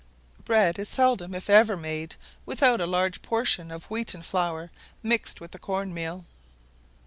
Bread is seldom if ever made without a large portion of wheaten flour, mixed with the corn meal.